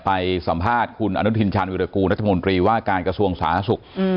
ไปสัมภาษณ์คุณอนุทินชาญวิรากูลรัฐมนตรีว่าการกระทรวงสาธารณสุข